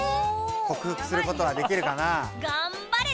こく服することはできるかな？